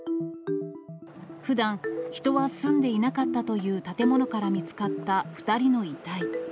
ふだん、人は住んでいなかったという建物から見つかった２人の遺体。